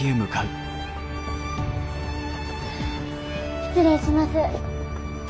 失礼します。